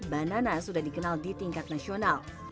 banana sudah dikenal di tingkat nasional